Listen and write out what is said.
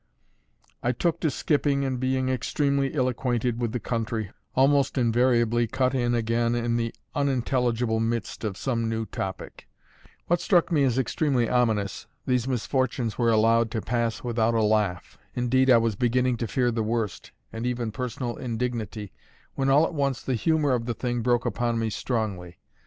I took to skipping, and being extremely ill acquainted with the country, almost invariably cut in again in the unintelligible midst of some new topic. What struck me as extremely ominous, these misfortunes were allowed to pass without a laugh. Indeed, I was beginning to fear the worst, and even personal indignity, when all at once the humour of the thing broke upon me strongly.